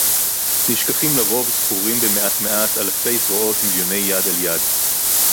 נִשְׁכָּחִים לָרוֹב, זְכוּרִים בִּמְעַט מְעַט, אַלְפֵי זְרוֹעוֹת, מִלְיוֹנֵי יָד אֶל יָד